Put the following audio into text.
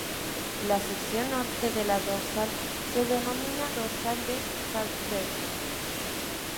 La sección norte de la dorsal se denomina dorsal de Carlsberg.